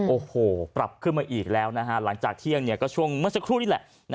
โอ้โหปรับขึ้นมาอีกแล้วนะฮะหลังจากเที่ยงก็ช่วงเมื่อสักครู่นี่แหละ